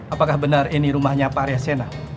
apakah benar ini rumahnya pak riasena